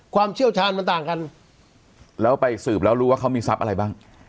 เชี่ยวชาญมันต่างกันแล้วไปสืบแล้วรู้ว่าเขามีทรัพย์อะไรบ้าง